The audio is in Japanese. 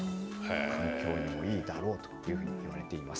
環境にもいいだろうというふうにいっています。